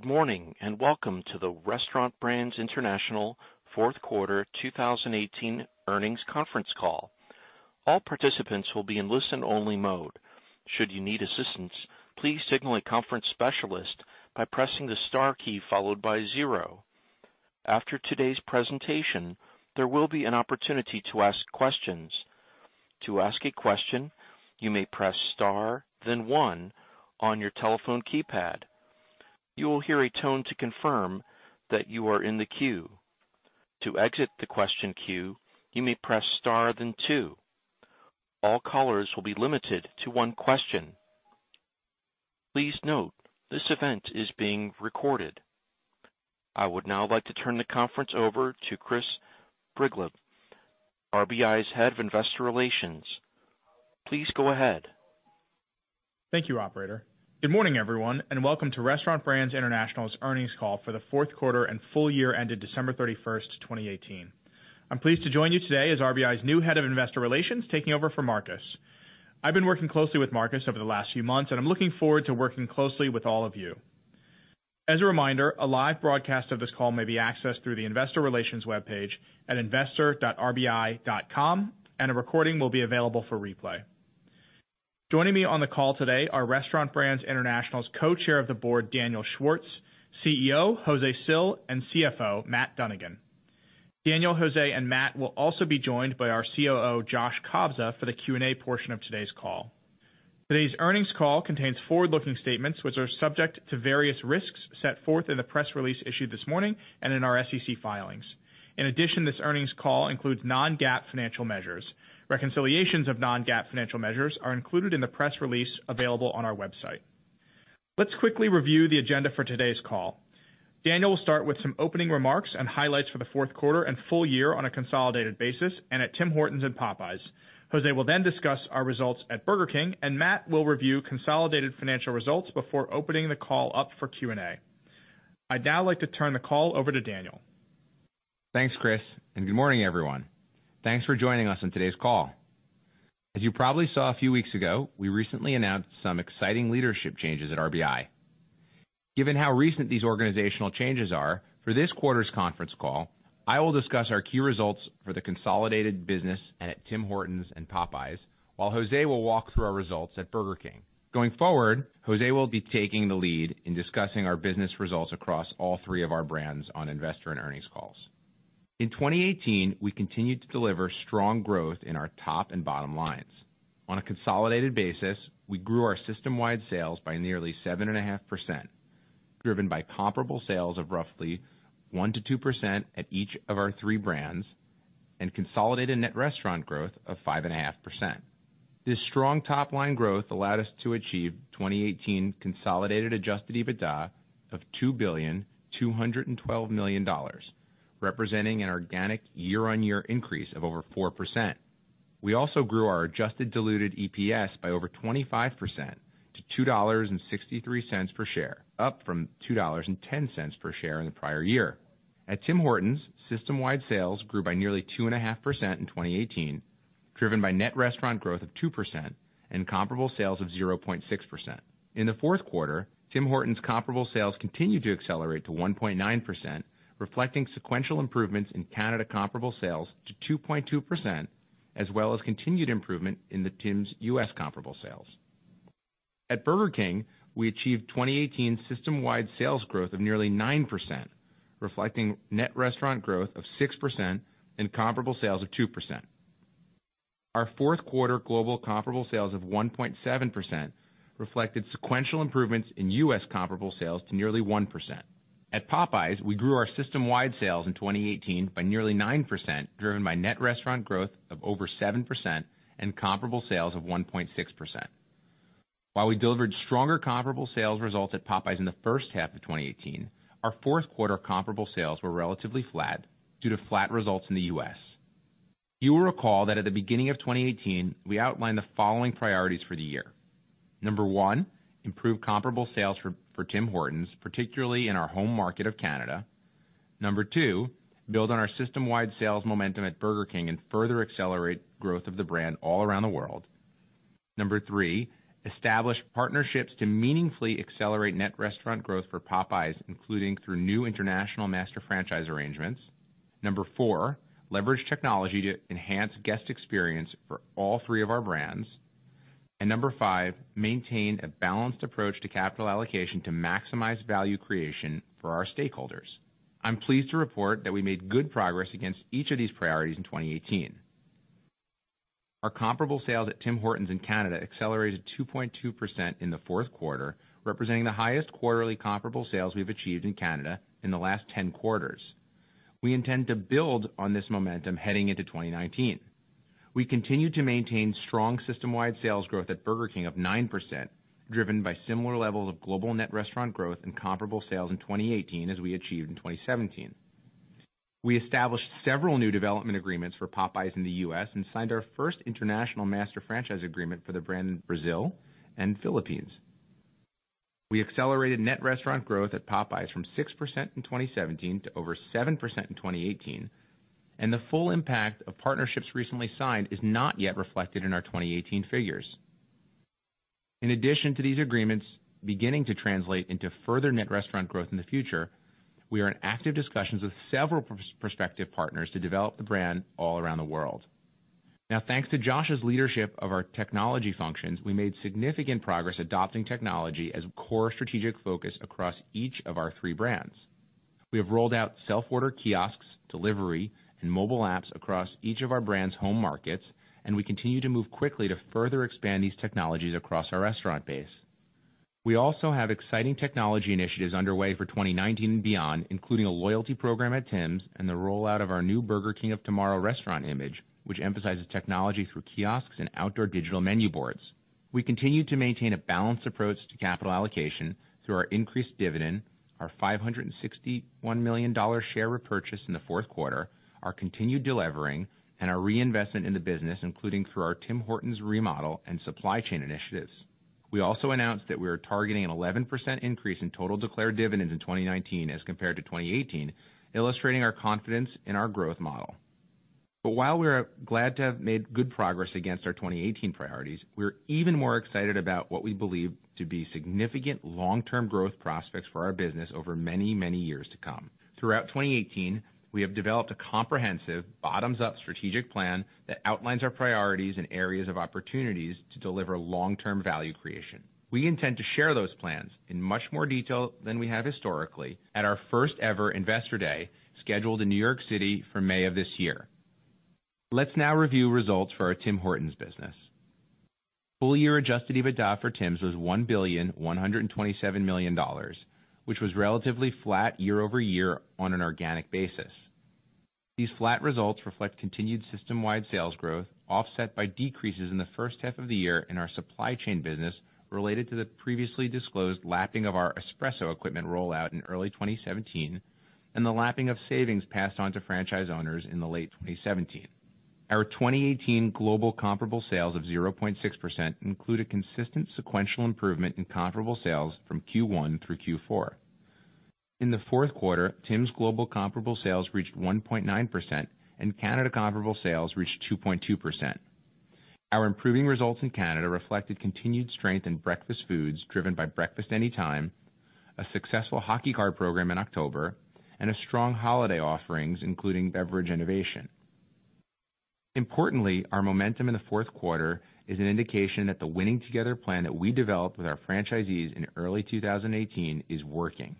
Good morning. Welcome to the Restaurant Brands International fourth quarter 2018 earnings conference call. All participants will be in listen-only mode. Should you need assistance, please signal a conference specialist by pressing the star key followed by zero. After today's presentation, there will be an opportunity to ask questions. To ask a question, you may press star then one on your telephone keypad. You will hear a tone to confirm that you are in the queue. To exit the question queue, you may press star then two. All callers will be limited to one question. Please note, this event is being recorded. I would now like to turn the conference over to Chris Brigleb, RBI's Head of Investor Relations. Please go ahead. Thank you, operator. Good morning, everyone. Welcome to Restaurant Brands International's earnings call for the fourth quarter and full year ended December 31st, 2018. I'm pleased to join you today as RBI's new Head of Investor Relations, taking over for Marcus. I've been working closely with Marcus over the last few months. I'm looking forward to working closely with all of you. As a reminder, a live broadcast of this call may be accessed through the investor relations webpage at investor.rbi.com. A recording will be available for replay. Joining me on the call today are Restaurant Brands International's Co-Chair of the Board, Daniel Schwartz, CEO, Jose Cil, and CFO, Matthew Dunnigan. Daniel, Jose, and Matt will also be joined by our COO, Joshua Kobza, for the Q&A portion of today's call. Today's earnings call contains forward-looking statements, which are subject to various risks set forth in the press release issued this morning and in our SEC filings. In addition, this earnings call includes non-GAAP financial measures. Reconciliations of non-GAAP financial measures are included in the press release available on our website. Let's quickly review the agenda for today's call. Daniel will start with some opening remarks and highlights for the fourth quarter and full year on a consolidated basis and at Tim Hortons and Popeyes. Jose will then discuss our results at Burger King. Matt will review consolidated financial results before opening the call up for Q&A. I'd now like to turn the call over to Daniel. Thanks, Chris. Good morning, everyone. Thanks for joining us on today's call. As you probably saw a few weeks ago, we recently announced some exciting leadership changes at RBI. Given how recent these organizational changes are, for this quarter's conference call, I will discuss our key results for the consolidated business and at Tim Hortons and Popeyes, while Jose will walk through our results at Burger King. Going forward, Jose will be taking the lead in discussing our business results across all three of our brands on investor and earnings calls. In 2018, we continued to deliver strong growth in our top and bottom lines. On a consolidated basis, we grew our system-wide sales by nearly 7.5%, driven by comparable sales of roughly 1%-2% at each of our three brands and consolidated net restaurant growth of 5.5%. This strong top-line growth allowed us to achieve 2018 consolidated adjusted EBITDA of $2 billion, $212 million, representing an organic year-on-year increase of over 4%. We also grew our adjusted diluted EPS by over 25% to $2.63 per share, up from $2.10 per share in the prior year. At Tim Hortons, system-wide sales grew by nearly 2.5% in 2018, driven by net restaurant growth of 2% and comparable sales of 0.6%. In the fourth quarter, Tim Hortons' comparable sales continued to accelerate to 1.9%, reflecting sequential improvements in Canada comparable sales to 2.2%, as well as continued improvement in the Tim's U.S. comparable sales. At Burger King, we achieved 2018 system-wide sales growth of nearly 9%, reflecting net restaurant growth of 6% and comparable sales of 2%. Our fourth quarter global comparable sales of 1.7% reflected sequential improvements in U.S. comparable sales to nearly 1%. At Popeyes, we grew our system-wide sales in 2018 by nearly 9%, driven by net restaurant growth of over 7% and comparable sales of 1.6%. While we delivered stronger comparable sales results at Popeyes in the first half of 2018, our fourth quarter comparable sales were relatively flat due to flat results in the U.S. You will recall that at the beginning of 2018, we outlined the following priorities for the year. Number one, improve comparable sales for Tim Hortons, particularly in our home market of Canada. Number two, build on our system-wide sales momentum at Burger King and further accelerate growth of the brand all around the world. Number three, establish partnerships to meaningfully accelerate net restaurant growth for Popeyes, including through new international master franchise arrangements. Number four, leverage technology to enhance guest experience for all three of our brands. Number five, maintain a balanced approach to capital allocation to maximize value creation for our stakeholders. I'm pleased to report that we made good progress against each of these priorities in 2018. Our comparable sales at Tim Hortons in Canada accelerated 2.2% in the fourth quarter, representing the highest quarterly comparable sales we've achieved in Canada in the last 10 quarters. We intend to build on this momentum heading into 2019. We continue to maintain strong system-wide sales growth at Burger King of 9%, driven by similar levels of global net restaurant growth and comparable sales in 2018 as we achieved in 2017. We established several new development agreements for Popeyes in the U.S. and signed our first international master franchise agreement for the brand in Brazil and Philippines. We accelerated net restaurant growth at Popeyes from 6% in 2017 to over 7% in 2018, and the full impact of partnerships recently signed is not yet reflected in our 2018 figures. In addition to these agreements beginning to translate into further net restaurant growth in the future, we are in active discussions with several prospective partners to develop the brand all around the world. Now, thanks to Josh's leadership of our technology functions, we made significant progress adopting technology as a core strategic focus across each of our three brands. We have rolled out self-order kiosks, delivery, and mobile apps across each of our brands' home markets, and we continue to move quickly to further expand these technologies across our restaurant base. We also have exciting technology initiatives underway for 2019 and beyond, including a loyalty program at Tims and the rollout of our new Burger King of Tomorrow restaurant image, which emphasizes technology through kiosks and outdoor digital menu boards. We continue to maintain a balanced approach to capital allocation through our increased dividend, our $561 million share repurchase in the fourth quarter, our continued delevering, and our reinvestment in the business, including through our Tim Hortons remodel and supply chain initiatives. We also announced that we are targeting an 11% increase in total declared dividends in 2019 as compared to 2018, illustrating our confidence in our growth model. While we are glad to have made good progress against our 2018 priorities, we are even more excited about what we believe to be significant long-term growth prospects for our business over many, many years to come. Throughout 2018, we have developed a comprehensive, bottoms-up strategic plan that outlines our priorities and areas of opportunities to deliver long-term value creation. We intend to share those plans in much more detail than we have historically at our first-ever investor day, scheduled in New York City for May of this year. Let's now review results for our Tim Hortons business. Full year adjusted EBITDA for Tims was $1.127 billion, which was relatively flat year-over-year on an organic basis. These flat results reflect continued system-wide sales growth, offset by decreases in the first half of the year in our supply chain business, related to the previously disclosed lapping of our espresso equipment rollout in early 2017, and the lapping of savings passed on to franchise owners in late 2017. Our 2018 global comparable sales of 0.6% include a consistent sequential improvement in comparable sales from Q1 through Q4. In the fourth quarter, Tims' global comparable sales reached 1.9%, and Canada comparable sales reached 2.2%. Our improving results in Canada reflected continued strength in breakfast foods driven by Breakfast Anytime, a successful hockey card program in October, and strong holiday offerings, including beverage innovation. Importantly, our momentum in the fourth quarter is an indication that the Winning Together plan that we developed with our franchisees in early 2018 is working.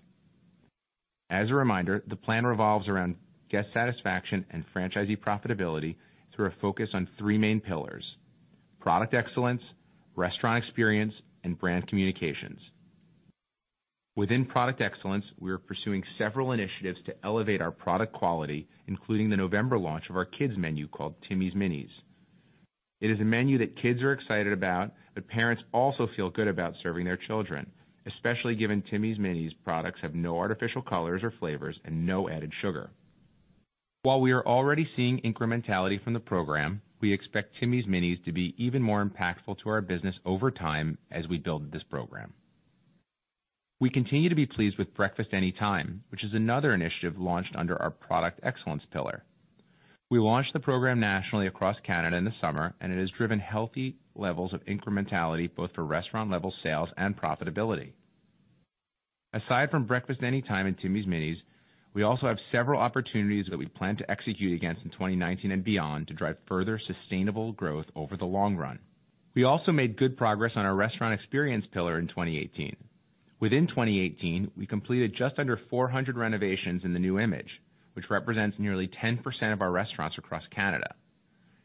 As a reminder, the plan revolves around guest satisfaction and franchisee profitability through a focus on three main pillars: product excellence, restaurant experience, and brand communications. Within product excellence, we are pursuing several initiatives to elevate our product quality, including the November launch of our kids menu called Timmies Minis. It is a menu that kids are excited about, but parents also feel good about serving their children, especially given Timmies Minis products have no artificial colors or flavors and no added sugar. While we are already seeing incrementality from the program, we expect Timmies Minis to be even more impactful to our business over time as we build this program. We continue to be pleased with Breakfast Anytime, which is another initiative launched under our product excellence pillar. We launched the program nationally across Canada in the summer, and it has driven healthy levels of incrementality both for restaurant-level sales and profitability. Aside from Breakfast Anytime and Timmies Minis, we also have several opportunities that we plan to execute against in 2019 and beyond to drive further sustainable growth over the long run. We also made good progress on our restaurant experience pillar in 2018. Within 2018, we completed just under 400 renovations in the new image, which represents nearly 10% of our restaurants across Canada.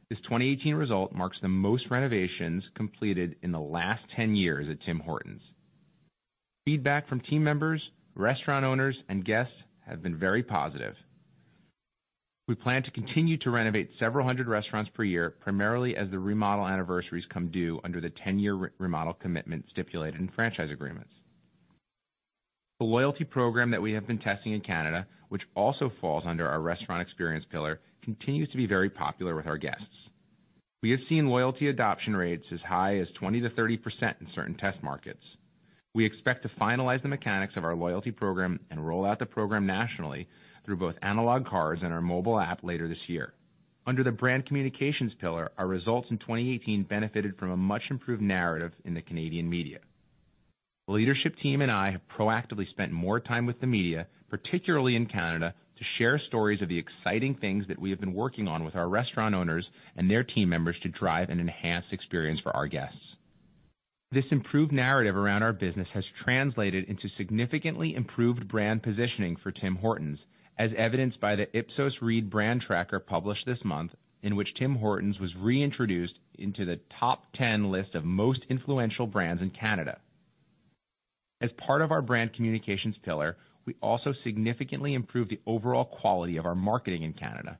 This 2018 result marks the most renovations completed in the last 10 years at Tim Hortons. Feedback from team members, restaurant owners, and guests has been very positive. We plan to continue to renovate several hundred restaurants per year, primarily as the remodel anniversaries come due under the 10-year remodel commitment stipulated in franchise agreements. The loyalty program that we have been testing in Canada, which also falls under our restaurant experience pillar, continues to be very popular with our guests. We have seen loyalty adoption rates as high as 20%-30% in certain test markets. We expect to finalize the mechanics of our loyalty program and roll out the program nationally through both analog cards and our mobile app later this year. Under the brand communications pillar, our results in 2018 benefited from a much-improved narrative in the Canadian media. The leadership team and I have proactively spent more time with the media, particularly in Canada, to share stories of the exciting things that we have been working on with our restaurant owners and their team members to drive an enhanced experience for our guests. This improved narrative around our business has translated into significantly improved brand positioning for Tim Hortons, as evidenced by the Ipsos Reid Brand Tracker published this month, in which Tim Hortons was reintroduced into the top 10 list of most influential brands in Canada. As part of our brand communications pillar, we also significantly improved the overall quality of our marketing in Canada.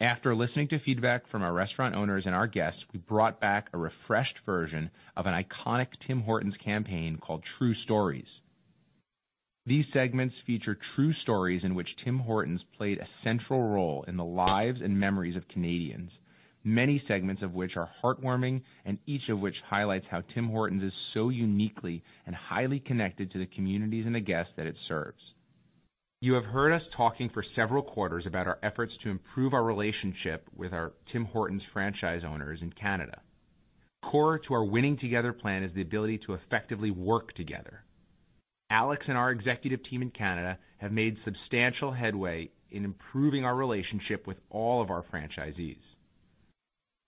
After listening to feedback from our restaurant owners and our guests, we brought back a refreshed version of an iconic Tim Hortons campaign called True Stories. These segments feature true stories in which Tim Hortons played a central role in the lives and memories of Canadians, many segments of which are heartwarming and each of which highlights how Tim Hortons is so uniquely and highly connected to the communities and the guests that it serves. You have heard us talking for several quarters about our efforts to improve our relationship with our Tim Hortons franchise owners in Canada. Core to our Winning Together plan is the ability to effectively work together. Alex and our executive team in Canada have made substantial headway in improving our relationship with all of our franchisees.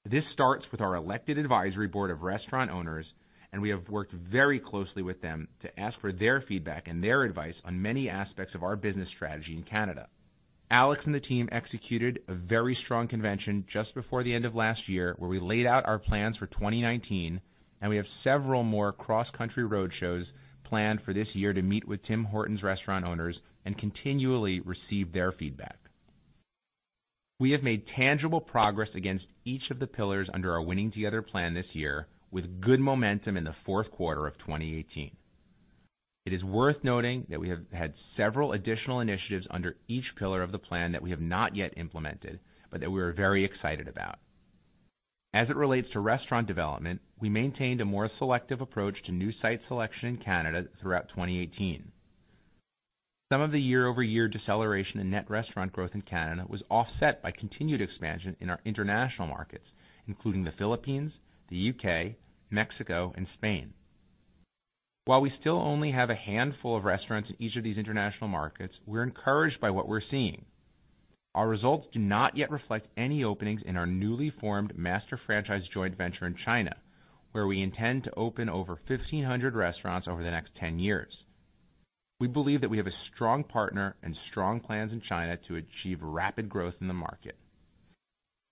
This starts with our elected advisory board of restaurant owners, we have worked very closely with them to ask for their feedback and their advice on many aspects of our business strategy in Canada. Alex and the team executed a very strong convention just before the end of last year, where we laid out our plans for 2019, we have several more cross-country road shows planned for this year to meet with Tim Hortons restaurant owners and continually receive their feedback. We have made tangible progress against each of the pillars under our Winning Together plan this year with good momentum in the fourth quarter of 2018. It is worth noting that we have had several additional initiatives under each pillar of the plan that we have not yet implemented, but that we're very excited about. As it relates to restaurant development, we maintained a more selective approach to new site selection in Canada throughout 2018. Some of the year-over-year deceleration in net restaurant growth in Canada was offset by continued expansion in our international markets, including the Philippines, the U.K., Mexico, and Spain. While we still only have a handful of restaurants in each of these international markets, we're encouraged by what we're seeing. Our results do not yet reflect any openings in our newly formed master franchise joint venture in China, where we intend to open over 1,500 restaurants over the next 10 years. We believe that we have a strong partner and strong plans in China to achieve rapid growth in the market.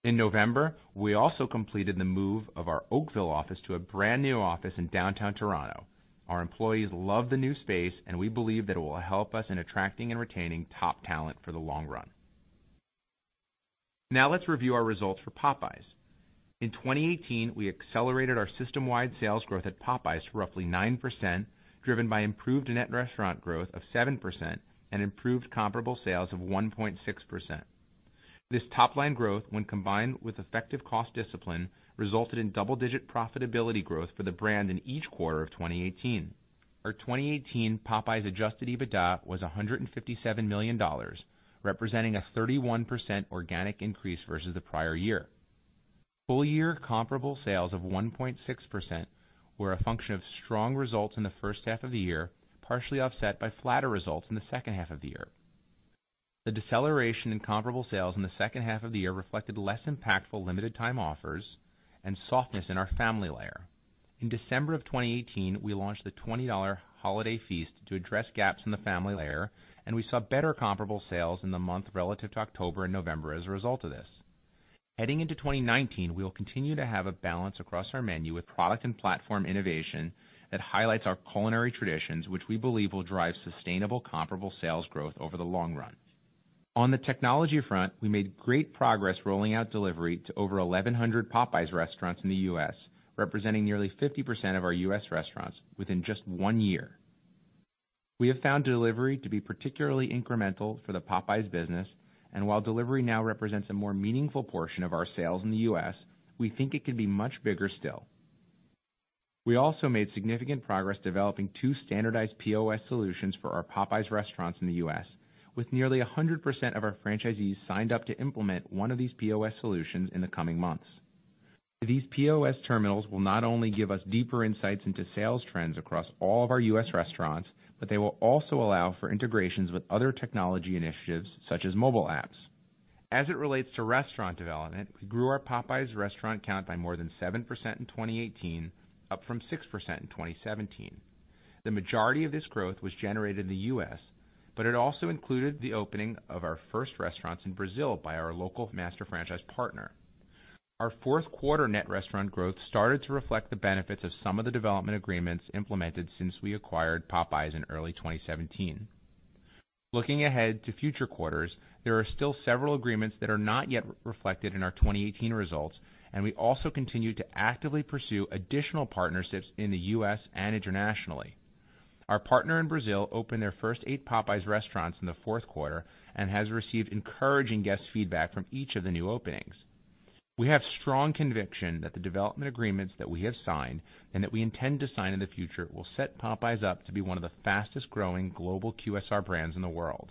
In November, we also completed the move of our Oakville office to a brand new office in Downtown Toronto. Our employees love the new space. We believe that it will help us in attracting and retaining top talent for the long run. Now let's review our results for Popeyes. In 2018, we accelerated our system-wide sales growth at Popeyes to roughly 9%, driven by improved net restaurant growth of 7% and improved comparable sales of 1.6%. This top-line growth, when combined with effective cost discipline, resulted in double-digit profitability growth for the brand in each quarter of 2018. Our 2018 Popeyes adjusted EBITDA was $157 million, representing a 31% organic increase versus the prior year. Full year comparable sales of 1.6% were a function of strong results in the first half of the year, partially offset by flatter results in the second half of the year. The deceleration in comparable sales in the second half of the year reflected less impactful limited time offers and softness in our family layer. In December of 2018, we launched the $20 holiday feast to address gaps in the family layer. We saw better comparable sales in the month relative to October and November as a result of this. Heading into 2019, we'll continue to have a balance across our menu with product and platform innovation that highlights our culinary traditions, which we believe will drive sustainable comparable sales growth over the long run. On the technology front, we made great progress rolling out delivery to over 1,100 Popeyes restaurants in the U.S., representing nearly 50% of our U.S. restaurants within just one year. We have found delivery to be particularly incremental for the Popeyes business. While delivery now represents a more meaningful portion of our sales in the U.S., we think it can be much bigger still. We also made significant progress developing two standardized POS solutions for our Popeyes restaurants in the U.S., with nearly 100% of our franchisees signed up to implement one of these POS solutions in the coming months. These POS terminals will not only give us deeper insights into sales trends across all of our U.S. restaurants, but they will also allow for integrations with other technology initiatives such as mobile apps. As it relates to restaurant development, we grew our Popeyes restaurant count by more than 7% in 2018, up from 6% in 2017. The majority of this growth was generated in the U.S., but it also included the opening of our first restaurants in Brazil by our local master franchise partner. Our fourth quarter net restaurant growth started to reflect the benefits of some of the development agreements implemented since we acquired Popeyes in early 2017. Looking ahead to future quarters, there are still several agreements that are not yet reflected in our 2018 results, and we also continue to actively pursue additional partnerships in the U.S. and internationally. Our partner in Brazil opened their first eight Popeyes restaurants in the fourth quarter and has received encouraging guest feedback from each of the new openings. We have strong conviction that the development agreements that we have signed and that we intend to sign in the future will set Popeyes up to be one of the fastest-growing global QSR brands in the world.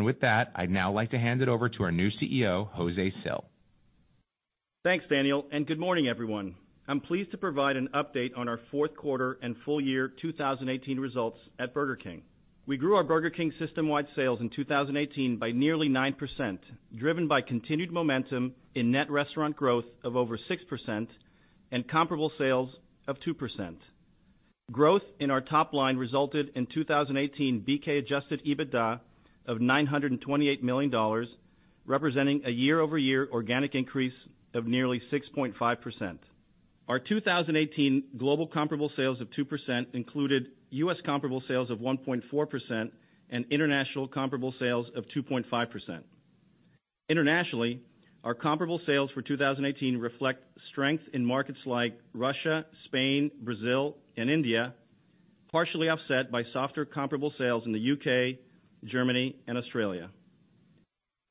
With that, I'd now like to hand it over to our new CEO, Jose Cil. Thanks, Daniel, and good morning, everyone. I'm pleased to provide an update on our fourth quarter and full year 2018 results at Burger King. We grew our Burger King system-wide sales in 2018 by nearly 9%, driven by continued momentum in net restaurant growth of over 6% and comparable sales of 2%. Growth in our top line resulted in 2018 BK adjusted EBITDA of $928 million, representing a year-over-year organic increase of nearly 6.5%. Our 2018 global comparable sales of 2% included U.S. comparable sales of 1.4% and international comparable sales of 2.5%. Internationally, our comparable sales for 2018 reflect strength in markets like Russia, Spain, Brazil, and India, partially offset by softer comparable sales in the U.K., Germany, and Australia.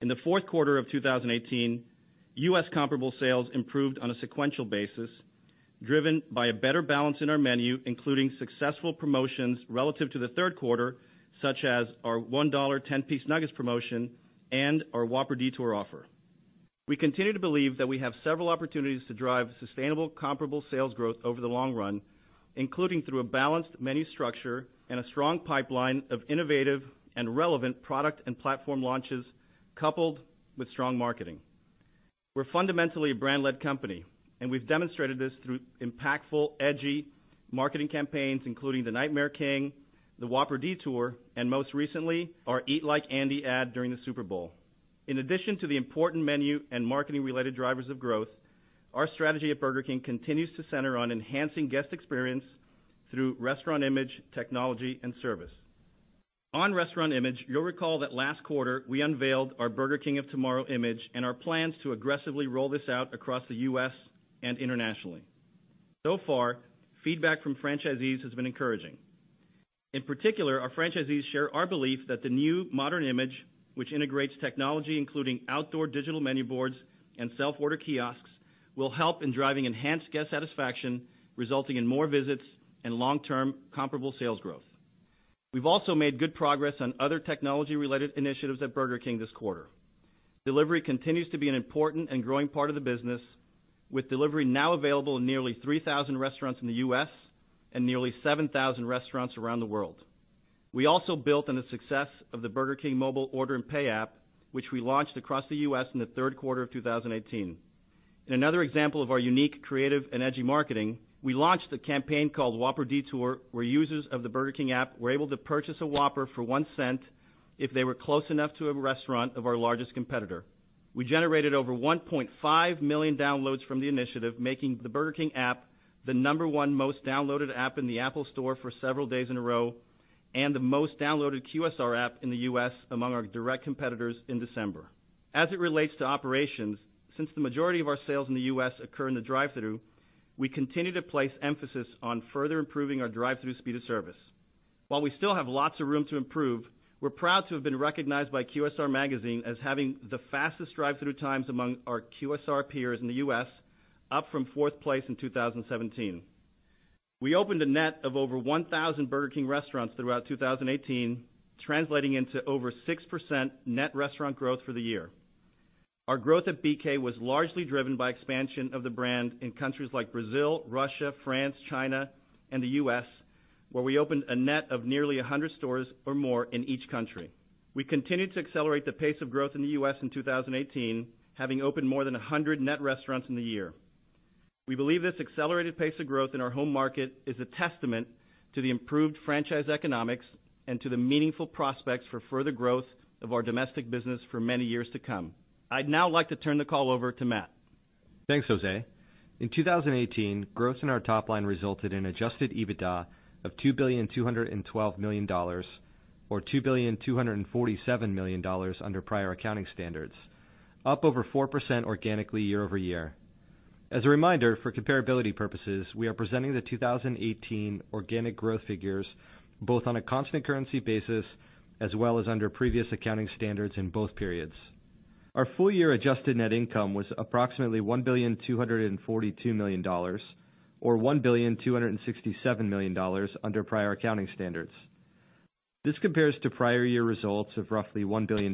In the fourth quarter of 2018, U.S. comparable sales improved on a sequential basis, driven by a better balance in our menu, including successful promotions relative to the third quarter, such as our $1 10-piece nuggets promotion and our Whopper Detour offer. We continue to believe that we have several opportunities to drive sustainable comparable sales growth over the long run, including through a balanced menu structure and a strong pipeline of innovative and relevant product and platform launches, coupled with strong marketing. We're fundamentally a brand-led company, and we've demonstrated this through impactful, edgy marketing campaigns, including the Nightmare King, the Whopper Detour, and most recently, our Eat Like Andy ad during the Super Bowl. In addition to the important menu and marketing related drivers of growth, our strategy at Burger King continues to center on enhancing guest experience through restaurant image, technology, and service. On restaurant image, you'll recall that last quarter we unveiled our Burger King of Tomorrow image and our plans to aggressively roll this out across the U.S. and internationally. So far, feedback from franchisees has been encouraging. In particular, our franchisees share our belief that the new modern image, which integrates technology including outdoor digital menu boards and self-order kiosks, will help in driving enhanced guest satisfaction, resulting in more visits and long-term comparable sales growth. We've also made good progress on other technology related initiatives at Burger King this quarter. Delivery continues to be an important and growing part of the business, with delivery now available in nearly 3,000 restaurants in the U.S. and nearly 7,000 restaurants around the world. We also built on the success of the Burger King mobile order and pay app, which we launched across the U.S. in the third quarter of 2018. In another example of our unique, creative, and edgy marketing, we launched a campaign called Whopper Detour, where users of the Burger King app were able to purchase a Whopper for $0.01 if they were close enough to a restaurant of our largest competitor. We generated over 1.5 million downloads from the initiative, making the Burger King app the number 1 most downloaded app in the Apple Store for several days in a row, and the most downloaded QSR app in the U.S. among our direct competitors in December. As it relates to operations, since the majority of our sales in the U.S. occur in the drive-thru, we continue to place emphasis on further improving our drive-thru speed of service. While we still have lots of room to improve, we're proud to have been recognized by QSR Magazine as having the fastest drive-thru times among our QSR peers in the U.S., up from fourth place in 2017. We opened a net of over 1,000 Burger King restaurants throughout 2018, translating into over 6% net restaurant growth for the year. Our growth at BK was largely driven by expansion of the brand in countries like Brazil, Russia, France, China, and the U.S., where we opened a net of nearly 100 stores or more in each country. We continued to accelerate the pace of growth in the U.S. in 2018, having opened more than 100 net restaurants in the year. We believe this accelerated pace of growth in our home market is a testament to the improved franchise economics and to the meaningful prospects for further growth of our domestic business for many years to come. I'd now like to turn the call over to Matt. Thanks, Jose. In 2018, growth in our top line resulted in adjusted EBITDA of $2,212,000,000, or $2,247,000,000 under prior accounting standards, up over 4% organically year-over-year. As a reminder, for comparability purposes, we are presenting the 2018 organic growth figures both on a constant currency basis as well as under previous accounting standards in both periods. Our full year adjusted net income was approximately $1,242,000,000, or $1,267,000,000 under prior accounting standards. This compares to prior year results of roughly $1 billion.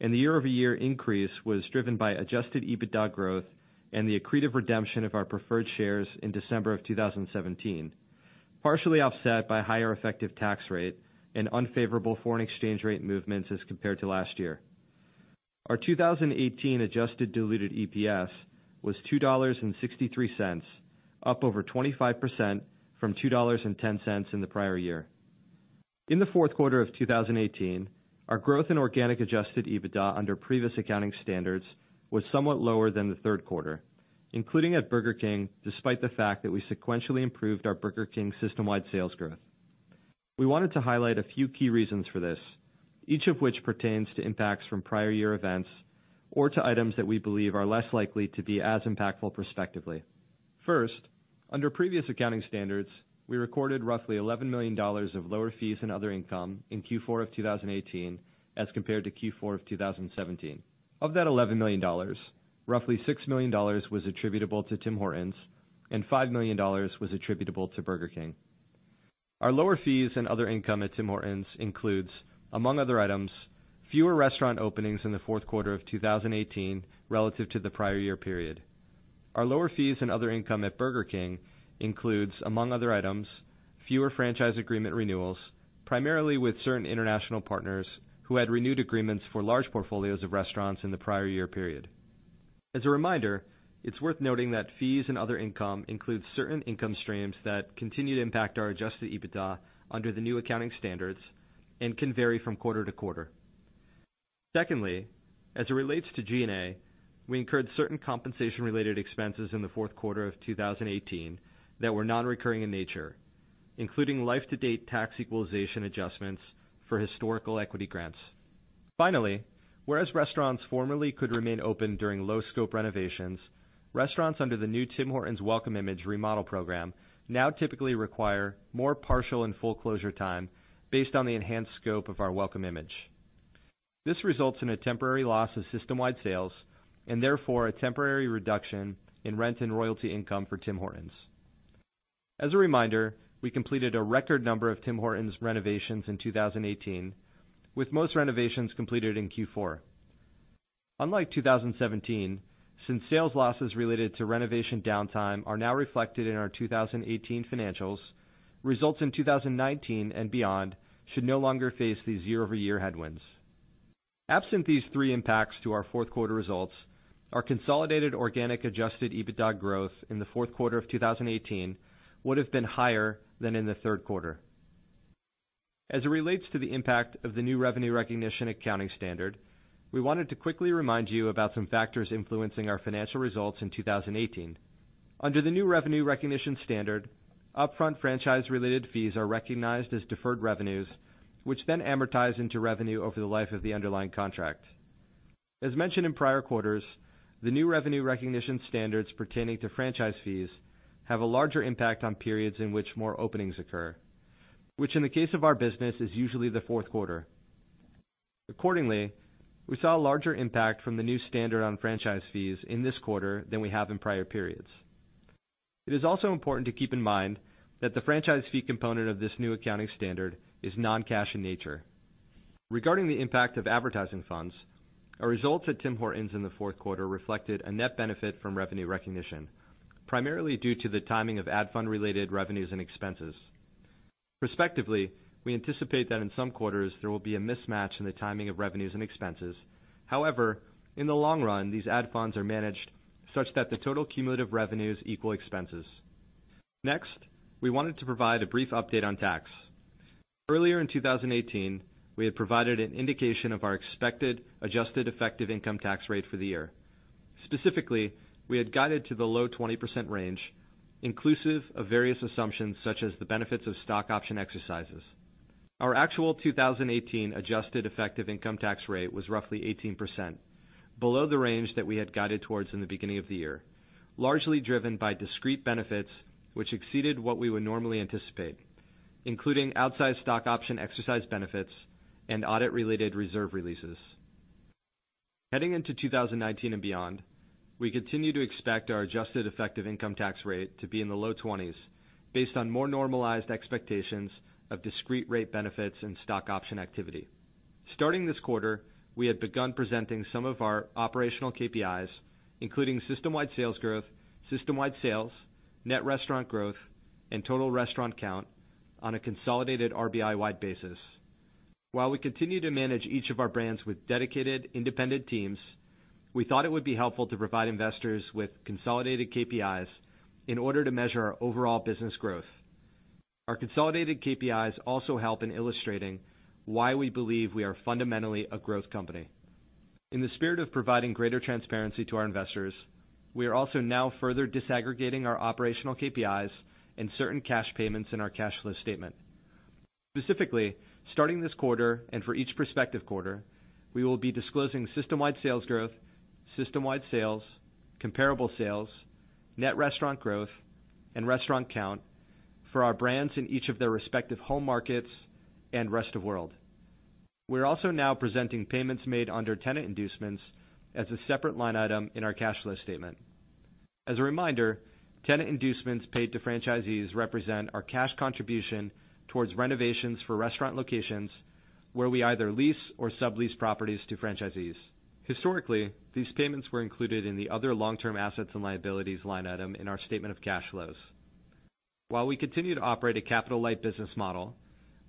The year-over-year increase was driven by adjusted EBITDA growth and the accretive redemption of our preferred shares in December of 2017, partially offset by higher effective tax rate and unfavorable foreign exchange rate movements as compared to last year. Our 2018 adjusted diluted EPS was $2.63, up over 25% from $2.10 in the prior year. In the fourth quarter of 2018, our growth in organic adjusted EBITDA under previous accounting standards was somewhat lower than the third quarter, including at Burger King, despite the fact that we sequentially improved our Burger King system-wide sales growth. We wanted to highlight a few key reasons for this, each of which pertains to impacts from prior year events or to items that we believe are less likely to be as impactful prospectively. First, under previous accounting standards, we recorded roughly $11 million of lower fees and other income in Q4 of 2018 as compared to Q4 of 2017. Of that $11 million, roughly $6 million was attributable to Tim Hortons and $5 million was attributable to Burger King. Our lower fees and other income at Tim Hortons includes, among other items, fewer restaurant openings in the fourth quarter of 2018 relative to the prior year period. Our lower fees and other income at Burger King includes, among other items, fewer franchise agreement renewals, primarily with certain international partners who had renewed agreements for large portfolios of restaurants in the prior year period. As a reminder, it's worth noting that fees and other income includes certain income streams that continue to impact our adjusted EBITDA under the new accounting standards and can vary from quarter to quarter. Secondly, as it relates to G&A, we incurred certain compensation related expenses in the fourth quarter of 2018 that were non-recurring in nature, including life-to-date tax equalization adjustments for historical equity grants. Finally, whereas restaurants formerly could remain open during low scope renovations. Restaurants under the new Tim Hortons Welcome Image remodel program now typically require more partial and full closure time based on the enhanced scope of our Welcome Image. This results in a temporary loss of system-wide sales, therefore a temporary reduction in rent and royalty income for Tim Hortons. As a reminder, we completed a record number of Tim Hortons renovations in 2018, with most renovations completed in Q4. Unlike 2017, since sales losses related to renovation downtime are now reflected in our 2018 financials, results in 2019 and beyond should no longer face these year-over-year headwinds. Absent these three impacts to our fourth quarter results, our consolidated organic adjusted EBITDA growth in the fourth quarter of 2018 would have been higher than in the third quarter. As it relates to the impact of the new revenue recognition accounting standard, we wanted to quickly remind you about some factors influencing our financial results in 2018. Under the new revenue recognition standard, upfront franchise-related fees are recognized as deferred revenues, which then amortize into revenue over the life of the underlying contract. As mentioned in prior quarters, the new revenue recognition standards pertaining to franchise fees have a larger impact on periods in which more openings occur, which in the case of our business is usually the fourth quarter. Accordingly, we saw a larger impact from the new standard on franchise fees in this quarter than we have in prior periods. It is also important to keep in mind that the franchise fee component of this new accounting standard is non-cash in nature. Regarding the impact of advertising funds, our results at Tim Hortons in the fourth quarter reflected a net benefit from revenue recognition, primarily due to the timing of ad fund-related revenues and expenses. Respectively, we anticipate that in some quarters, there will be a mismatch in the timing of revenues and expenses. However, in the long run, these ad funds are managed such that the total cumulative revenues equal expenses. Next, we wanted to provide a brief update on tax. Earlier in 2018, we had provided an indication of our expected adjusted effective income tax rate for the year. Specifically, we had guided to the low 20% range, inclusive of various assumptions such as the benefits of stock option exercises. Our actual 2018 adjusted effective income tax rate was roughly 18%, below the range that we had guided towards in the beginning of the year, largely driven by discrete benefits which exceeded what we would normally anticipate, including outsized stock option exercise benefits and audit-related reserve releases. Heading into 2019 and beyond, we continue to expect our adjusted effective income tax rate to be in the low 20s based on more normalized expectations of discrete rate benefits and stock option activity. Starting this quarter, we had begun presenting some of our operational KPIs, including system-wide sales growth, system-wide sales, net restaurant growth, and total restaurant count on a consolidated RBI-wide basis. While we continue to manage each of our brands with dedicated independent teams, we thought it would be helpful to provide investors with consolidated KPIs in order to measure our overall business growth. Our consolidated KPIs also help in illustrating why we believe we are fundamentally a growth company. In the spirit of providing greater transparency to our investors, we are also now further disaggregating our operational KPIs and certain cash payments in our cash flow statement. Specifically, starting this quarter and for each prospective quarter, we will be disclosing system-wide sales growth, system-wide sales, comparable sales, net restaurant growth, and restaurant count for our brands in each of their respective home markets and rest of world. We're also now presenting payments made under tenant inducements as a separate line item in our cash flow statement. As a reminder, tenant inducements paid to franchisees represent our cash contribution towards renovations for restaurant locations where we either lease or sublease properties to franchisees. Historically, these payments were included in the other long-term assets and liabilities line item in our statement of cash flows. While we continue to operate a capital-light business model,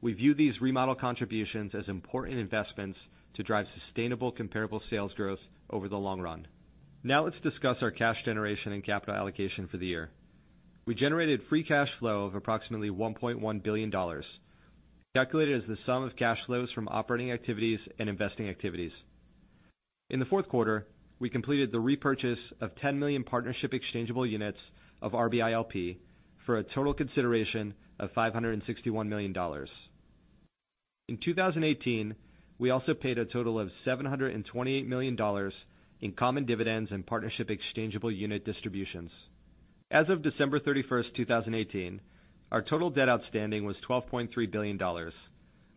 we view these remodel contributions as important investments to drive sustainable comparable sales growth over the long run. Now let's discuss our cash generation and capital allocation for the year. We generated free cash flow of approximately $1.1 billion, calculated as the sum of cash flows from operating activities and investing activities. In the fourth quarter, we completed the repurchase of 10 million partnership exchangeable units of RBI LP for a total consideration of $561 million. In 2018, we also paid a total of $728 million in common dividends and partnership exchangeable unit distributions. As of December 31st, 2018, our total debt outstanding was $12.3 billion.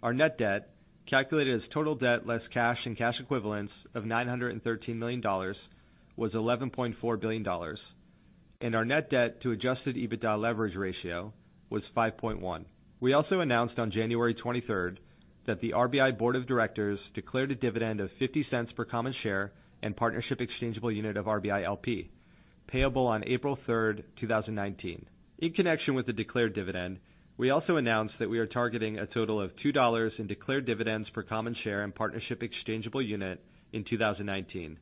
Our net debt, calculated as total debt less cash and cash equivalents of $913 million, was $11.4 billion. Our net debt to adjusted EBITDA leverage ratio was 5.1. We also announced on January 23rd that the RBI Board of Directors declared a dividend of $0.50 per common share and partnership exchangeable unit of RBI LP, payable on April 3rd, 2019. In connection with the declared dividend, we also announced that we are targeting a total of $2 in declared dividends per common share and partnership exchangeable unit in 2019,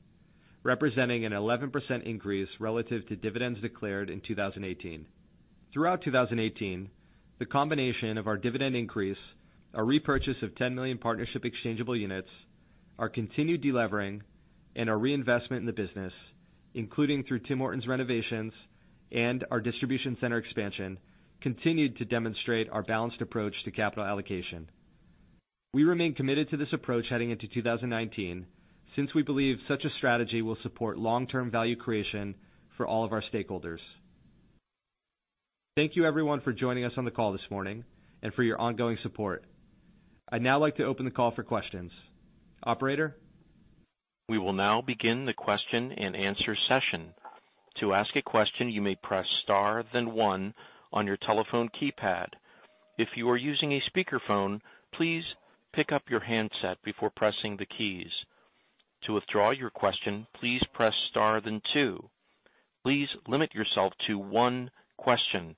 representing an 11% increase relative to dividends declared in 2018. Throughout 2018, the combination of our dividend increase, our repurchase of 10 million partnership exchangeable units, our continued de-levering, and our reinvestment in the business, including through Tim Hortons renovations and our distribution center expansion, continued to demonstrate our balanced approach to capital allocation. We remain committed to this approach heading into 2019, since we believe such a strategy will support long-term value creation for all of our stakeholders. Thank you, everyone, for joining us on the call this morning and for your ongoing support. I'd now like to open the call for questions. Operator? We will now begin the question and answer session. To ask a question, you may press star then one on your telephone keypad. If you are using a speakerphone, please pick up your handset before pressing the keys. To withdraw your question, please press star then two. Please limit yourself to one question.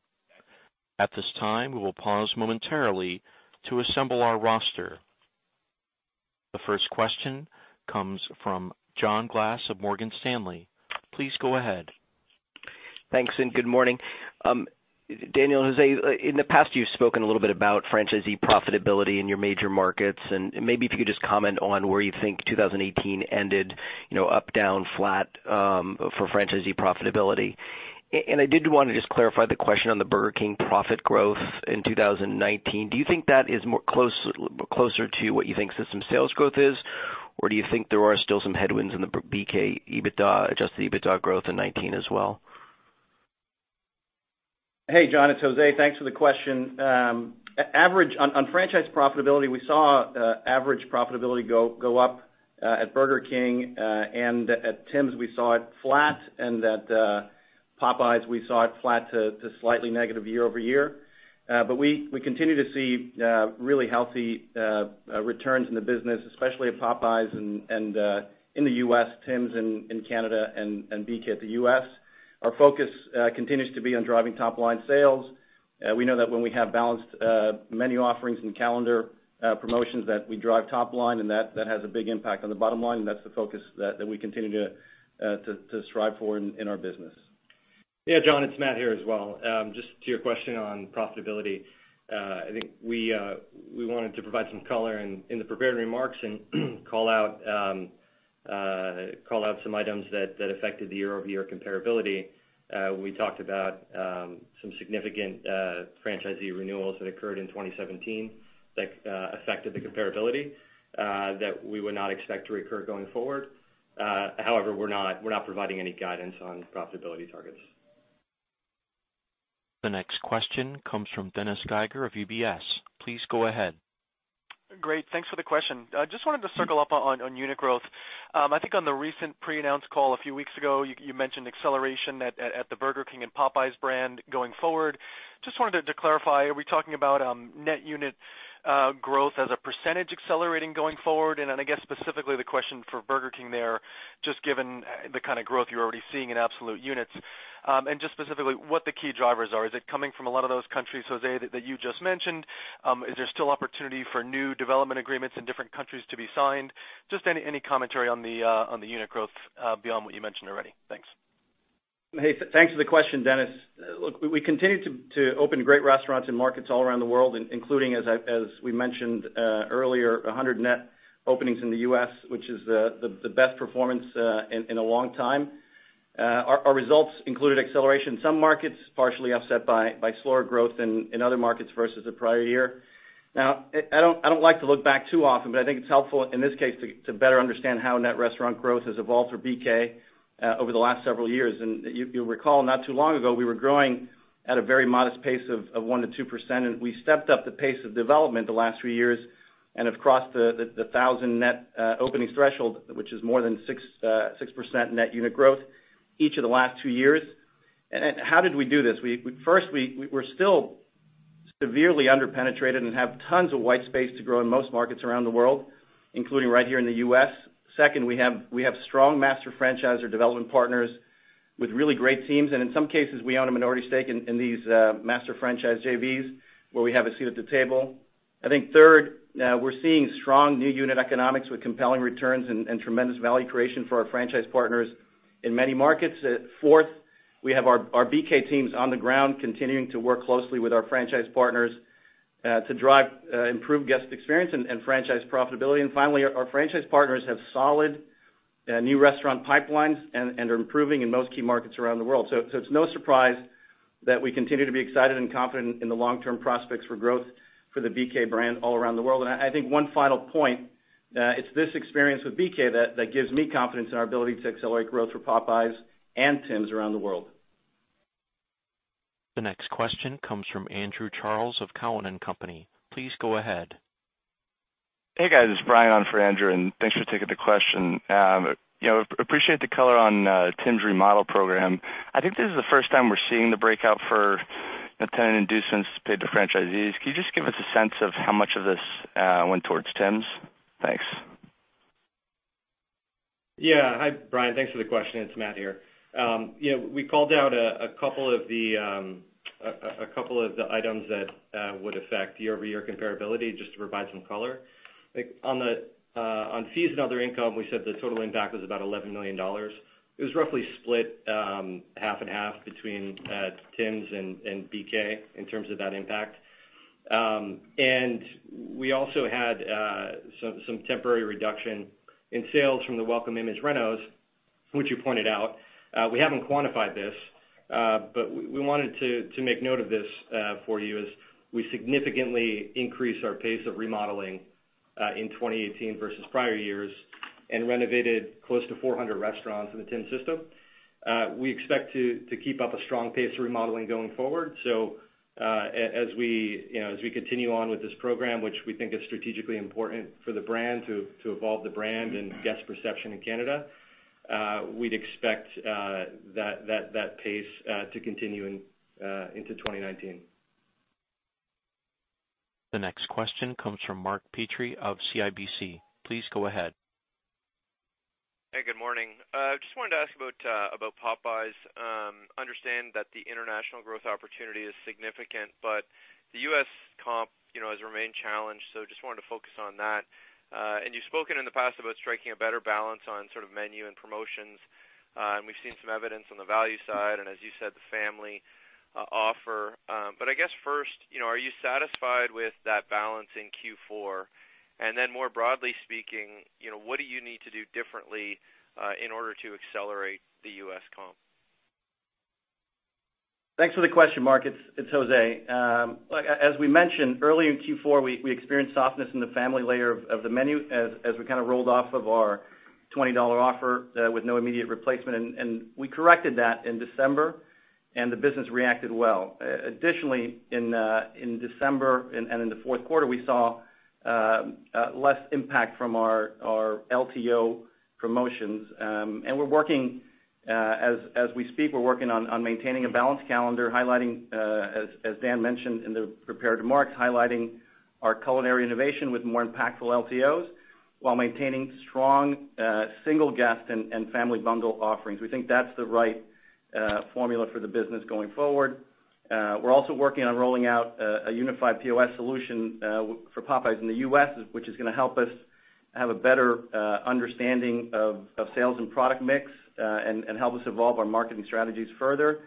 At this time, we will pause momentarily to assemble our roster. The first question comes from John Glass of Morgan Stanley. Please go ahead. Thanks, and good morning. Daniel and Jose, in the past, you've spoken a little bit about franchisee profitability in your major markets, and maybe if you could just comment on where you think 2018 ended up, down, flat, for franchisee profitability. I did want to just clarify the question on the Burger King profit growth in 2019. Do you think that is closer to what you think system sales growth is, or do you think there are still some headwinds in the BK adjusted EBITDA growth in 2019 as well? Hey, John, it's Jose. Thanks for the question. On franchise profitability, we saw average profitability go up at Burger King and at Tims we saw it flat and at Popeyes we saw it flat to slightly negative year-over-year. We continue to see really healthy returns in the business, especially at Popeyes and in the U.S., Tims in Canada and BK at the U.S. Our focus continues to be on driving top-line sales. We know that when we have balanced menu offerings and calendar promotions, that we drive top line, and that has a big impact on the bottom line, and that's the focus that we continue to strive for in our business. Yeah, John, it's Matt here as well. Just to your question on profitability, I think we wanted to provide some color in the prepared remarks and call out some items that affected the year-over-year comparability. We talked about some significant franchisee renewals that occurred in 2017 that affected the comparability that we would not expect to recur going forward. However, we're not providing any guidance on profitability targets. The next question comes from Dennis Geiger of UBS. Please go ahead. Thanks for the question. Just wanted to circle up on unit growth. I think on the recent pre-announced call a few weeks ago, you mentioned acceleration at the Burger King and Popeyes brand going forward. Just wanted to clarify, are we talking about net unit growth as a percentage accelerating going forward? I guess specifically the question for Burger King there, just given the kind of growth you're already seeing in absolute units. Specifically, what the key drivers are. Is it coming from a lot of those countries, Jose, that you just mentioned? Is there still opportunity for new development agreements in different countries to be signed? Just any commentary on the unit growth beyond what you mentioned already. Thanks. Hey, thanks for the question, Dennis. Look, we continue to open great restaurants in markets all around the world, including, as we mentioned earlier, 100 net openings in the U.S., which is the best performance in a long time. Our results included acceleration in some markets, partially offset by slower growth in other markets versus the prior year. I don't like to look back too often, but I think it's helpful in this case to better understand how net restaurant growth has evolved for BK over the last several years. You'll recall, not too long ago, we were growing at a very modest pace of 1%-2%, and we stepped up the pace of development the last 3 years and have crossed the 1,000 net openings threshold, which is more than 6% net unit growth each of the last 2 years. How did we do this? First, we're still severely under-penetrated and have tons of white space to grow in most markets around the world, including right here in the U.S. Second, we have strong master franchisor development partners with really great teams, and in some cases, we own a minority stake in these master franchise JVs where we have a seat at the table. Third, we're seeing strong new unit economics with compelling returns and tremendous value creation for our franchise partners in many markets. Fourth, we have our BK teams on the ground continuing to work closely with our franchise partners to drive improved guest experience and franchise profitability. Finally, our franchise partners have solid new restaurant pipelines and are improving in most key markets around the world. It's no surprise that we continue to be excited and confident in the long-term prospects for growth for the BK brand all around the world. I think one final point, it's this experience with BK that gives me confidence in our ability to accelerate growth for Popeyes and Tims around the world. The next question comes from Andrew Charles of Cowen and Company. Please go ahead. Hey, guys, it's Brian on for Andrew, and thanks for taking the question. Appreciate the color on Tims remodel program. I think this is the first time we're seeing the breakout for tenant inducements paid to franchisees. Can you just give us a sense of how much of this went towards Tims? Thanks. Hi, Brian. Thanks for the question. It's Matt here. We called out a couple of the items that would affect year-over-year comparability, just to provide some color. On fees and other income, we said the total impact was about $11 million. It was roughly split half and half between Tims and BK in terms of that impact. We also had some temporary reduction in sales from the Welcome Image renos, which you pointed out. We haven't quantified this, but we wanted to make note of this for you as we significantly increase our pace of remodeling in 2018 versus prior years and renovated close to 400 restaurants in the Tim system. We expect to keep up a strong pace of remodeling going forward. As we continue on with this program, which we think is strategically important for the brand to evolve the brand and guest perception in Canada, we'd expect that pace to continue into 2019. The next question comes from Mark Petrie of CIBC. Please go ahead. Hey, good morning. Just wanted to ask about Popeyes. Understand that the international growth opportunity is significant, the U.S. comp has remained challenged, so just wanted to focus on that. You've spoken in the past about striking a better balance on sort of menu and promotions, and we've seen some evidence on the value side and as you said, the family offer. I guess first, are you satisfied with that balance in Q4? More broadly speaking, what do you need to do differently in order to accelerate the U.S. comp? Thanks for the question, Mark. It's Jose. As we mentioned early in Q4, we experienced softness in the family layer of the menu as we kind of rolled off of our $20 offer with no immediate replacement. We corrected that in December, and the business reacted well. In December and in the fourth quarter, we saw less impact from our LTO promotions. As we speak, we're working on maintaining a balanced calendar highlighting, as Dan mentioned in the prepared remarks, highlighting our culinary innovation with more impactful LTOs while maintaining strong single guest and family bundle offerings. We think that's the right formula for the business going forward. We're also working on rolling out a unified POS solution for Popeyes in the U.S., which is going to help us have a better understanding of sales and product mix, and help us evolve our marketing strategies further.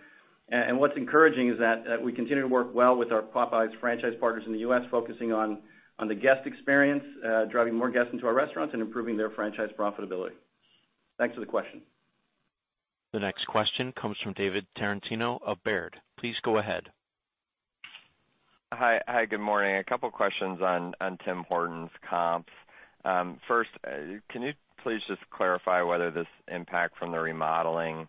What's encouraging is that we continue to work well with our Popeyes franchise partners in the U.S., focusing on the guest experience, driving more guests into our restaurants and improving their franchise profitability. Thanks for the question. The next question comes from David Tarantino of Baird. Please go ahead. Hi. Good morning. A couple questions on Tim Hortons comps. First, can you please just clarify whether this impact from the remodeling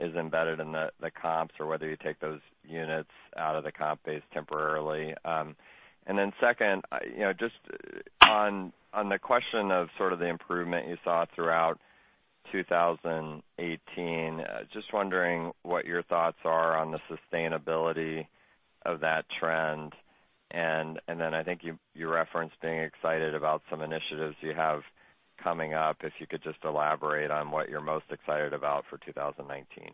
is embedded in the comps or whether you take those units out of the comp base temporarily? Second, just on the question of sort of the improvement you saw throughout 2018, just wondering what your thoughts are on the sustainability of that trend. I think you referenced being excited about some initiatives you have coming up, if you could just elaborate on what you're most excited about for 2019.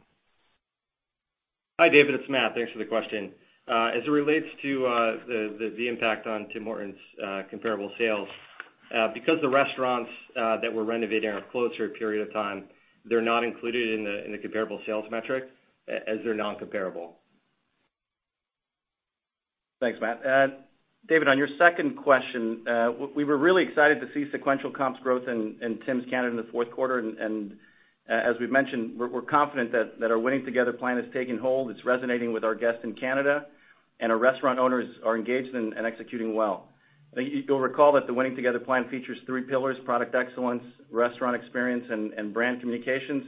Hi, David, it's Matt. Thanks for the question. As it relates to the impact on Tim Hortons comparable sales because the restaurants that we're renovating are closed for a period of time, they're not included in the comparable sales metric as they're non-comparable. Thanks, Matt. David, on your second question, we were really excited to see sequential comps growth in Tim's Canada in the fourth quarter, as we've mentioned, we're confident that our Winning Together plan has taken hold. It's resonating with our guests in Canada, and our restaurant owners are engaged and executing well. You'll recall that the Winning Together plan features three pillars, product excellence, restaurant experience, and brand communications.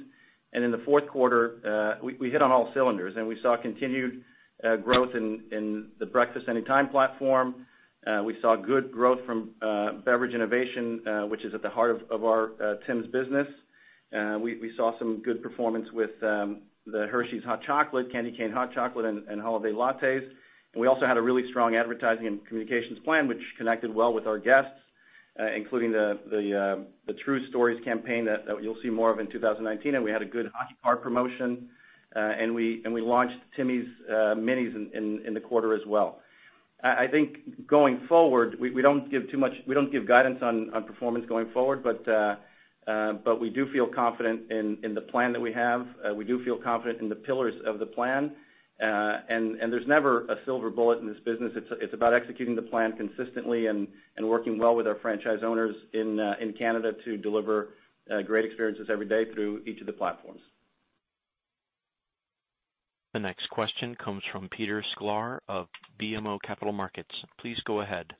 In the fourth quarter, we hit on all cylinders and we saw continued growth in the Breakfast Anytime platform. We saw good growth from beverage innovation, which is at the heart of our Tim's business. We saw some good performance with the Hershey's hot chocolate, candy cane hot chocolate, and holiday lattes. We also had a really strong advertising and communications plan, which connected well with our guests, including the True Stories campaign that you'll see more of in 2019. We had a good hockey card promotion, and we launched Timmies Minis in the quarter as well. I think going forward, we don't give guidance on performance going forward, but we do feel confident in the plan that we have. We do feel confident in the pillars of the plan. There's never a silver bullet in this business. It's about executing the plan consistently and working well with our franchise owners in Canada to deliver great experiences every day through each of the platforms. The next question comes from Peter Sklar of BMO Capital Markets. Please go ahead.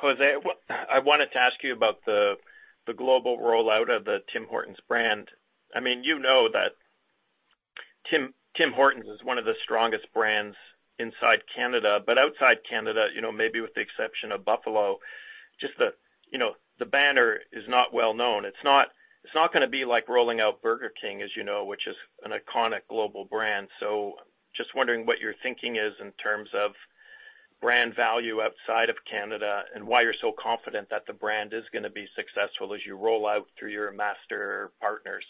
Jose, I wanted to ask you about the global rollout of the Tim Hortons brand. You know that Tim Hortons is one of the strongest brands inside Canada, but outside Canada, maybe with the exception of Buffalo, just the banner is not well known. It's not going to be like rolling out Burger King, as you know, which is an iconic global brand. Just wondering what your thinking is in terms of brand value outside of Canada, and why you're so confident that the brand is going to be successful as you roll out through your master partners.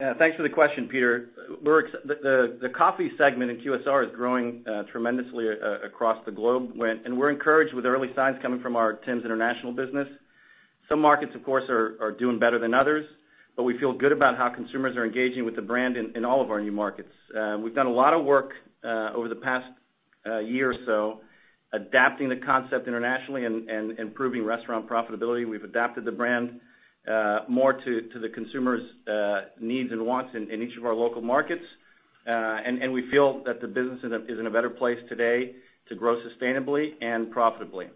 Yeah, thanks for the question, Peter. The coffee segment in QSR is growing tremendously across the globe, and we're encouraged with early signs coming from our Tim's International business. Some markets, of course, are doing better than others, but we feel good about how consumers are engaging with the brand in all of our new markets. We've done a lot of work over the past A year or so adapting the concept internationally and improving restaurant profitability. We've adapted the brand more to the consumers' needs and wants in each of our local markets. We feel that the business is in a better place today to grow sustainably and profitably.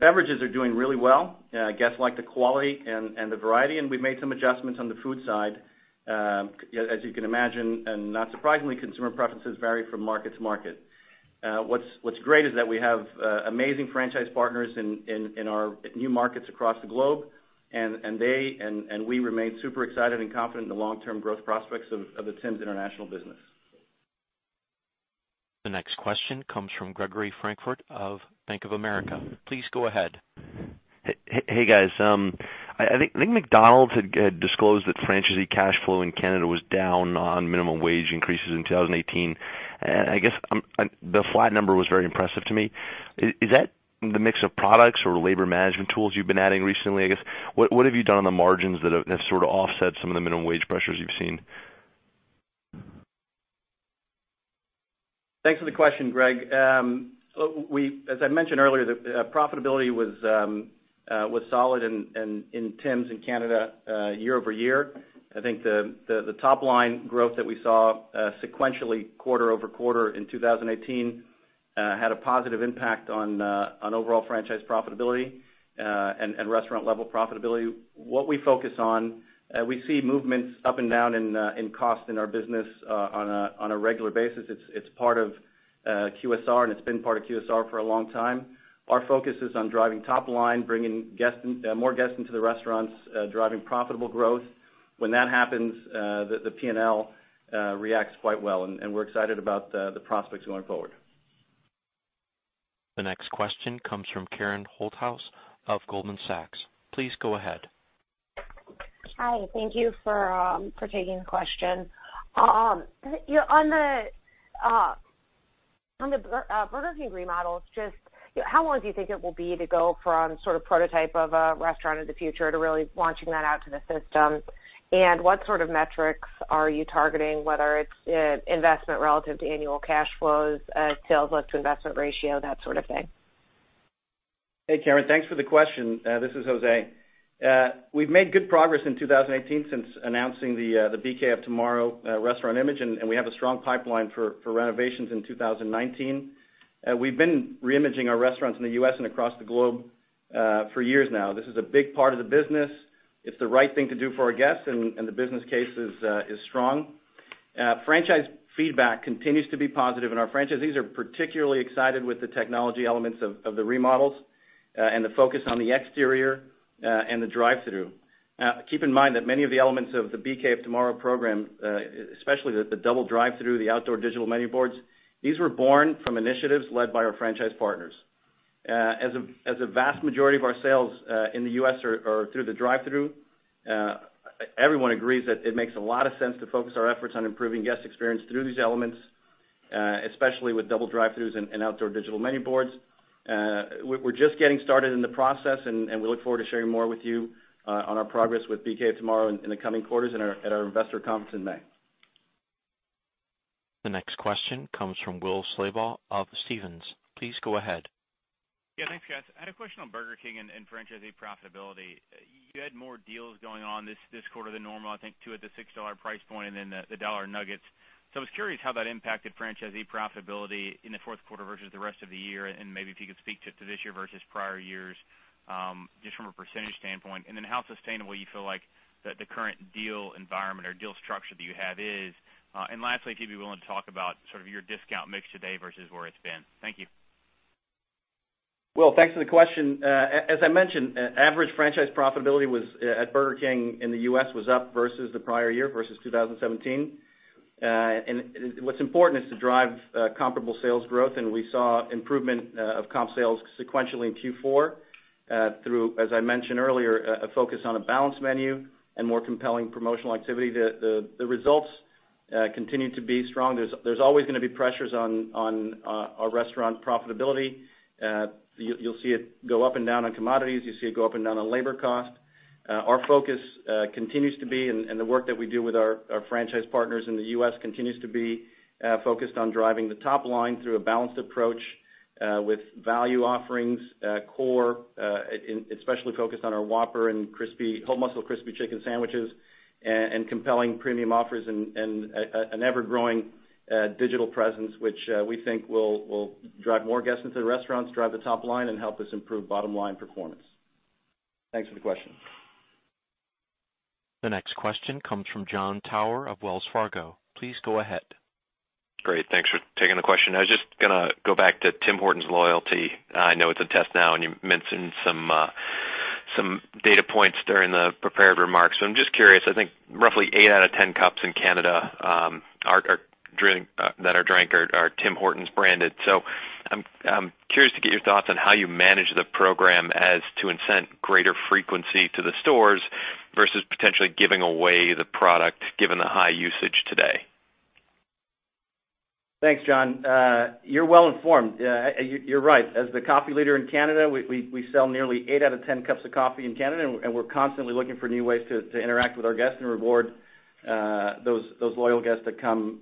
Beverages are doing really well. Guests like the quality and the variety, and we've made some adjustments on the food side. As you can imagine, and not surprisingly, consumer preferences vary from market to market. What's great is that we have amazing franchise partners in our new markets across the globe, and we remain super excited and confident in the long-term growth prospects of the Tim's international business. The next question comes from Gregory Francfort of Bank of America. Please go ahead. Hey, guys. I think McDonald's had disclosed that franchisee cash flow in Canada was down on minimum wage increases in 2018. I guess the flat number was very impressive to me. Is that the mix of products or labor management tools you've been adding recently? I guess, what have you done on the margins that have sort of offset some of the minimum wage pressures you've seen? Thanks for the question, Greg. As I mentioned earlier, profitability was solid in Tim's in Canada year-over-year. I think the top-line growth that we saw sequentially quarter-over-quarter in 2018 had a positive impact on overall franchise profitability and restaurant-level profitability. What we focus on, we see movements up and down in cost in our business on a regular basis. It's part of QSR, and it's been part of QSR for a long time. Our focus is on driving top line, bringing more guests into the restaurants, driving profitable growth. When that happens, the P&L reacts quite well, and we're excited about the prospects going forward. The next question comes from Karen Holthouse of Goldman Sachs. Please go ahead. Hi, thank you for taking the question. On the Burger King remodels, just how long do you think it will be to go from sort of prototype of a Restaurant of Tomorrow to really launching that out to the system? What sort of metrics are you targeting, whether it's investment relative to annual cash flows, sales lift to investment ratio, that sort of thing? Hey, Karen. Thanks for the question. This is Jose. We've made good progress in 2018 since announcing the Burger King of Tomorrow restaurant image. We have a strong pipeline for renovations in 2019. We've been re-imaging our restaurants in the U.S. and across the globe for years now. This is a big part of the business. It's the right thing to do for our guests. The business case is strong. Franchise feedback continues to be positive. Our franchisees are particularly excited with the technology elements of the remodels and the focus on the exterior and the drive-thru. Keep in mind that many of the elements of the Burger King of Tomorrow program, especially the double drive-thru, the outdoor digital menu boards, these were born from initiatives led by our franchise partners. As a vast majority of our sales in the U.S. are through the drive-thru, everyone agrees that it makes a lot of sense to focus our efforts on improving guest experience through these elements, especially with double drive-thrus and outdoor digital menu boards. We're just getting started in the process. We look forward to sharing more with you on our progress with Burger King of Tomorrow in the coming quarters at our investor conference in May. The next question comes from Will Slabaugh of Stephens. Please go ahead. Yeah, thanks, guys. I had a question on Burger King and franchisee profitability. You had more deals going on this quarter than normal, I think two at the $6 price point and then the dollar nuggets. I was curious how that impacted franchisee profitability in the fourth quarter versus the rest of the year, and maybe if you could speak to this year versus prior years, just from a percentage standpoint, and then how sustainable you feel like the current deal environment or deal structure that you have is. Lastly, if you'd be willing to talk about sort of your discount mix today versus where it's been. Thank you. Will, thanks for the question. As I mentioned, average franchise profitability at Burger King in the U.S. was up versus the prior year, versus 2017. What's important is to drive comparable sales growth, and we saw improvement of comp sales sequentially in Q4 through, as I mentioned earlier, a focus on a balanced menu and more compelling promotional activity. The results continue to be strong. There's always going to be pressures on our restaurant profitability. You'll see it go up and down on commodities. You see it go up and down on labor cost. Our focus continues to be, the work that we do with our franchise partners in the U.S. continues to be focused on driving the top line through a balanced approach with value offerings, core, especially focused on our Whopper and whole muscle crispy chicken sandwiches and compelling premium offers and an ever-growing digital presence, which we think will drive more guests into the restaurants, drive the top line, and help us improve bottom-line performance. Thanks for the question. The next question comes from Jon Tower of Wells Fargo. Please go ahead. Great. Thanks for taking the question. I was just going to go back to Tim Hortons loyalty. I know it's a test now, you mentioned some data points during the prepared remarks. I'm just curious, I think roughly eight out of 10 cups in Canada that are drank are Tim Hortons branded. I'm curious to get your thoughts on how you manage the program as to incent greater frequency to the stores versus potentially giving away the product given the high usage today. Thanks, Jon. You're well informed. You're right. As the coffee leader in Canada, we sell nearly eight out of 10 cups of coffee in Canada, we're constantly looking for new ways to interact with our guests and reward those loyal guests that come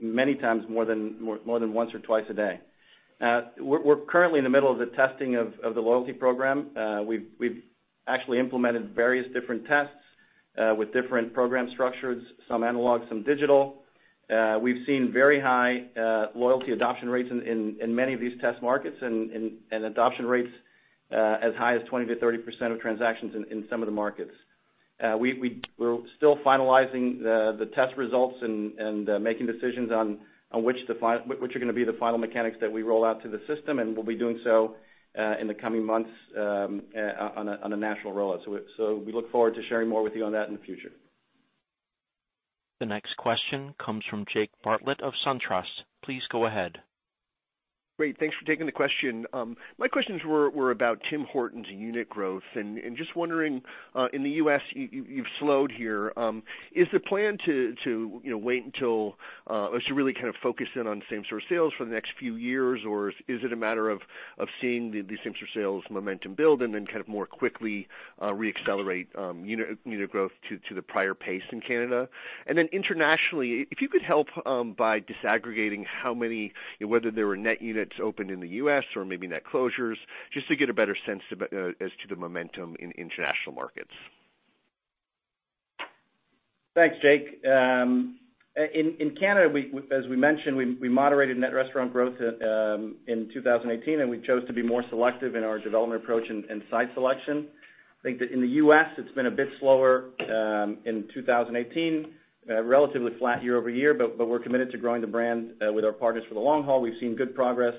many times more than once or twice a day. We're currently in the middle of the testing of the loyalty program. We've actually implemented various different tests with different program structures, some analog, some digital. We've seen very high loyalty adoption rates in many of these test markets, adoption rates as high as 20%-30% of transactions in some of the markets. We're still finalizing the test results and making decisions on which are going to be the final mechanics that we roll out to the system, we'll be doing so in the coming months on a national rollout. We look forward to sharing more with you on that in the future. The next question comes from Jake Bartlett of SunTrust. Please go ahead. Thanks for taking the question. My questions were about Tim Hortons unit growth. Just wondering, in the U.S., you've slowed here. Is the plan to wait until or is it really kind of focused in on same store sales for the next few years? Or is it a matter of seeing the same store sales momentum build and then kind of more quickly re-accelerate unit growth to the prior pace in Canada? Internationally, if you could help by disaggregating how many, whether there were net units opened in the U.S. or maybe net closures, just to get a better sense as to the momentum in international markets. Thanks, Jake. In Canada, as we mentioned, we moderated net restaurant growth in 2018. We chose to be more selective in our development approach and site selection. I think that in the U.S., it's been a bit slower in 2018, relatively flat year-over-year. We're committed to growing the brand with our partners for the long haul. We've seen good progress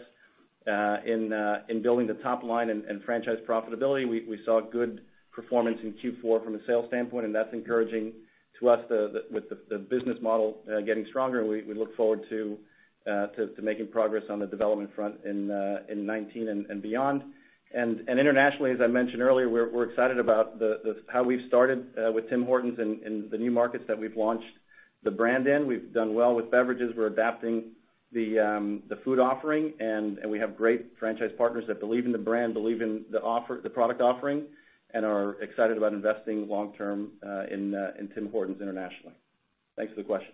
in building the top line and franchise profitability. We saw good performance in Q4 from a sales standpoint. That's encouraging to us with the business model getting stronger. We look forward to making progress on the development front in 2019 and beyond. Internationally, as I mentioned earlier, we're excited about how we've started with Tim Hortons and the new markets that we've launched the brand in. We've done well with beverages. We're adapting the food offering. We have great franchise partners that believe in the brand, believe in the product offering, are excited about investing long-term in Tim Hortons internationally. Thanks for the question.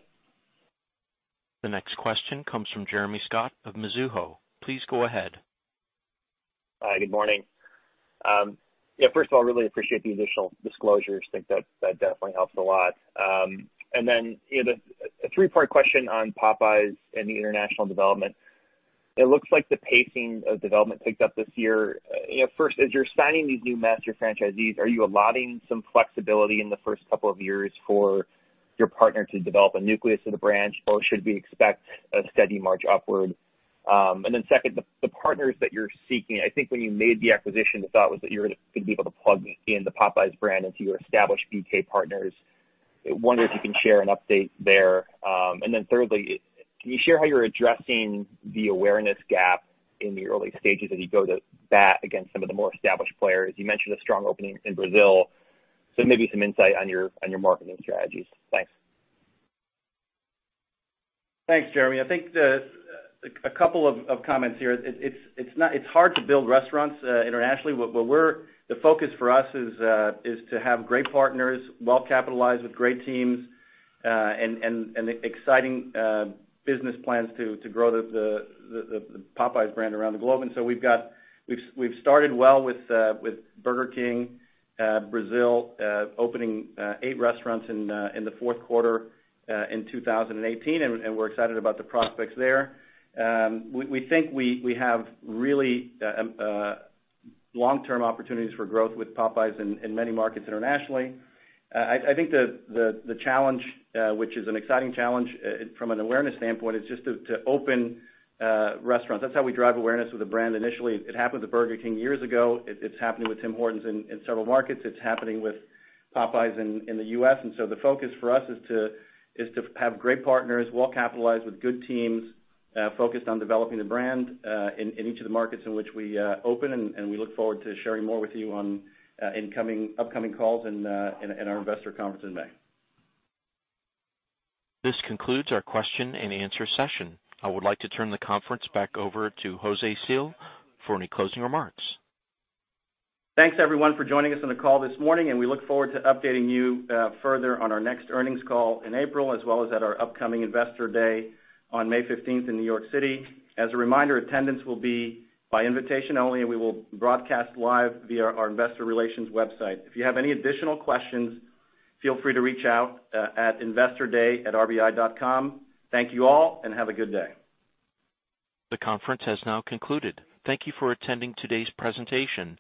The next question comes from Jeremy Scott of Mizuho. Please go ahead. Hi, good morning. First of all, really appreciate the additional disclosures. Think that definitely helps a lot. A 3-part question on Popeyes and the international development. It looks like the pacing of development picked up this year. First, as you're signing these new master franchisees, are you allotting some flexibility in the first couple of years for your partner to develop a nucleus of the branch? Or should we expect a steady march upward? Second, the partners that you're seeking, I think when you made the acquisition, the thought was that you were going to be able to plug in the Popeyes brand into your established BK partners. I wonder if you can share an update there. Thirdly, can you share how you're addressing the awareness gap in the early stages as you go to bat against some of the more established players? You mentioned a strong opening in Brazil, maybe some insight on your marketing strategies. Thanks. Thanks, Jeremy. I think a couple of comments here. It's hard to build restaurants internationally. The focus for us is to have great partners, well-capitalized with great teams, and exciting business plans to grow the Popeyes brand around the globe. We've started well with Burger King Brazil opening eight restaurants in the fourth quarter in 2018, and we're excited about the prospects there. We think we have really long-term opportunities for growth with Popeyes in many markets internationally. I think the challenge, which is an exciting challenge from an awareness standpoint, is just to open restaurants. That's how we drive awareness with a brand initially. It happened with Burger King years ago. It's happening with Tim Hortons in several markets. It's happening with Popeyes in the U.S. The focus for us is to have great partners, well-capitalized with good teams, focused on developing the brand in each of the markets in which we open, and we look forward to sharing more with you on upcoming calls and our investor conference in May. This concludes our question and answer session. I would like to turn the conference back over to Jose Cil for any closing remarks. Thanks, everyone, for joining us on the call this morning, and we look forward to updating you further on our next earnings call in April, as well as at our upcoming Investor Day on May 15th in New York City. As a reminder, attendance will be by invitation only, and we will broadcast live via our investor relations website. If you have any additional questions, feel free to reach out at investorday@rbi.com. Thank you all, and have a good day. The conference has now concluded. Thank you for attending today's presentation.